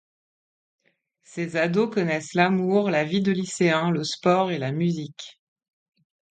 Ces ados connaissent l'amour, la vie de lycéen, le sport et la musique.